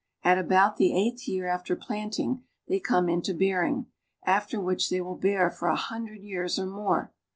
At about the eighth year after planting they come into bearing, after which they will bear for a hundred years or more.